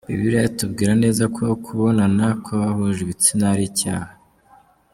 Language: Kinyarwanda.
Bibiliya itubwira neza ko kubonana kw’abahuje ibitsina ari icyaha.